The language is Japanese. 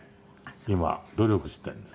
今努力してるんです。